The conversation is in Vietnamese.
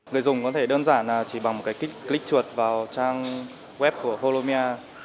để dùng có thể đơn giản là chỉ bằng một cái click chuột vào trang web của holomia